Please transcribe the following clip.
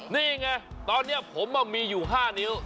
นี่ไงตอนนี้ผมมีอยู่๕นิ้ว